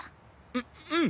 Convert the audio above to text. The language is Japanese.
ううん。